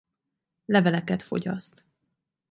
Leveleket fogyaszt.